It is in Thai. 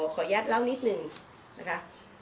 ขอแยกเล่านิดนึงนะคะ